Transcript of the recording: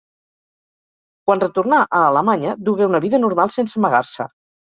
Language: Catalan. Quan retornà a Alemanya, dugué una vida normal sense amagar-se.